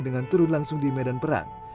dengan turun langsung di medan perang